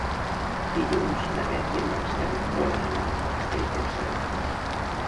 Dilluns na Beth i en Marcel volen anar a Castellterçol.